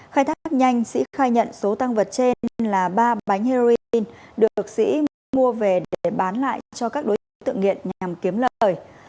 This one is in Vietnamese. khai thác nhanh sĩ khai nhận số tăng vật trên là ba bánh heroin được sĩ mua về để bán lại cho các đối tượng nghiện nhằm kiếm lợi